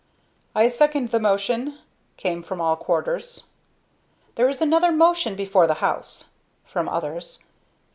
"I second the motion," came from all quarters. "There is another motion before the house," from others.